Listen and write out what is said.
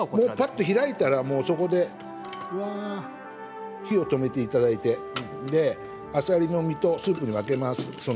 開いたら、そこで火を止めていただいてあさりの身とスープに分けます。